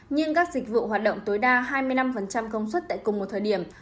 nhưng các dịch vụ hoạt động tối đa hai mươi năm công suất tại cùng một thời điểm